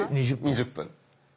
２０分。